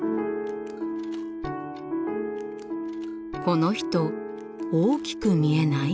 この人大きく見えない？